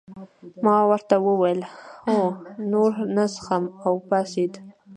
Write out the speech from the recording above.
ما ورته وویل هو نور نه څښم او پاڅېد.